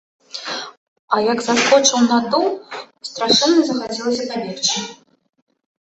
А як саскочыў на дол, страшэнна захацелася пабегчы.